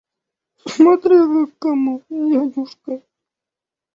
Смотря как кому, дядюшка.